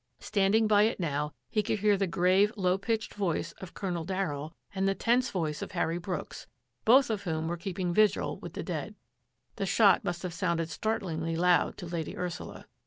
Standing by it now he could hear the grave, low pitched voice of Colonel Darryll and the tense voice of Harry Brooks, both of whom were keeping vigil with the dead. The shot must have sounded startlingly loud to Lady Ursula.